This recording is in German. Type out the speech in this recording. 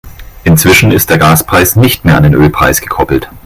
Inzwischen ist der Gaspreis nicht mehr an den Ölpreis gekoppelt.